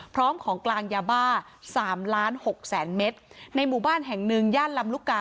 พร้อมของกลางยาบ้า๓ล้านหกแสนเมตรในหมู่บ้านแห่งหนึ่งย่านลำลูกกา